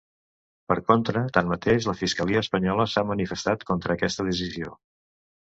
Per contra, tanmateix, la fiscalia espanyola s’ha manifestat contra aquesta decisió.